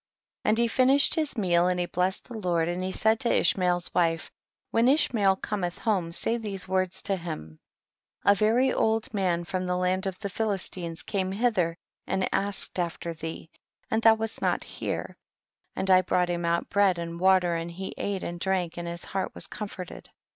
42. And he finished his meal and he blessed the Lord, and he said to Ishmael's wife, when Ishmael cometh home say these words to Jiim ; 43. A very old man from the land of the Philistines came hither and asked after thee, and thou wast not here, and I brought him out bread and water and he ate and drank and his heart was comforted.